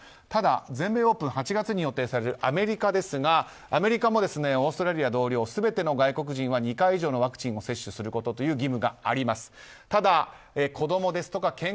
ただ、全米オープン８月に予定されるアメリカですがアメリカもオーストラリア同様全ての外国人は２回以上のワクチンを接種することという